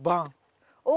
お。